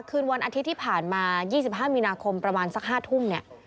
คืนวันอาทิตย์ที่ผ่านมา๒๕มีนาคมประมาณสัก๕ทุ่มเนี่ย